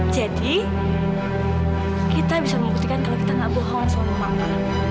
jadi kita bisa mengukurkan kalau kita enggak bohong sama mama